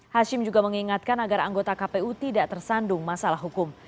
hashim juga mengingatkan agar anggota kpu tidak tersandung masalah hukum